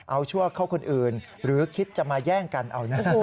เอาชั่วเข้าคนอื่นหรือคิดจะมาแย่งกันเอาหน้า